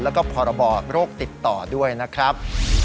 แล้วก็พรบโรคติดต่อด้วยนะครับ